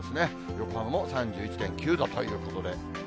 横浜も３１．９度ということで。